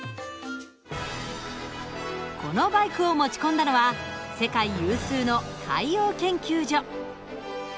このバイクを持ち込んだのは世界有数の海洋研究所。